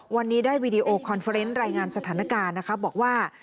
วันนี้ได้วีดีโอคอนเฟอร์เนนต์รายงานสถานการณ์นะคะบอกว่า